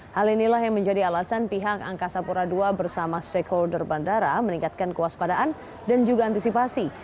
hal inilah yang menjadi alasan pihak angkasa pura ii bersama stakeholder bandara meningkatkan kewaspadaan dan juga antisipasi